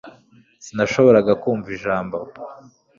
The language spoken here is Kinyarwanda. Sinashoboraga kumva ijambo